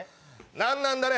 何なんだね？